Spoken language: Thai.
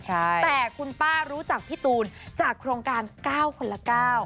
แต่คุณป้ารู้จักพี่ตูนจากโครงการ๙คนละ๙